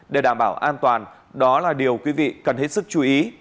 để đảm bảo an toàn đó là điều quý vị cần hết sức chú ý